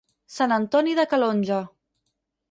Sant Antoni de Calonge.